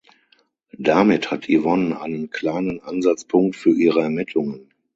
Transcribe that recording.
Damit hat Yvonne einen kleinen Ansatzpunkt für ihre Ermittlungen.